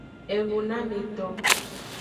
Enunameto.